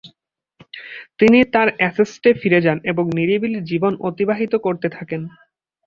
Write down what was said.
তিনি তার এস্টেটে ফিরে যান এবং নিরিবিলি জীবন অতিবাহিত করতে থাকেন।